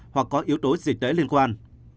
hoặc có yếu tố dịch tễ liên quan